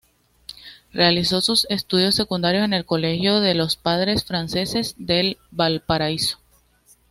Realizó sus estudios secundarios en el Colegio de los Padres Franceses de Valparaíso.